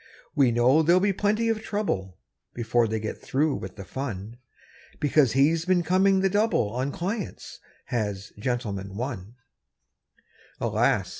We know there'll be plenty of trouble Before they get through with the fun, Because he's been coming the double On clients, has "Gentleman, One". Alas!